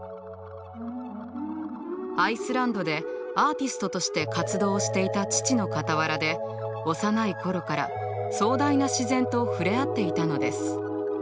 アイスランドでアーティストとして活動していた父の傍らで幼い頃から壮大な自然と触れ合っていたのです。